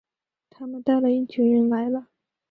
他们带了一群人来了